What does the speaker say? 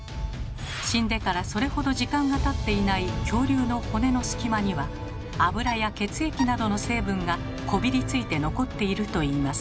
死んでからそれほど時間がたっていない恐竜の骨の隙間には脂や血液などの成分がこびりついて残っているといいます。